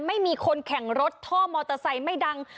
ไม่มีคนแข่งรถท่อมอเตอร์ไซค์ไม่ดัง